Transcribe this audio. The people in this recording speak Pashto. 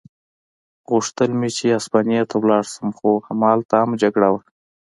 غوښتل مې چې هسپانیې ته ولاړ شم، خو همالته هم جګړه وه.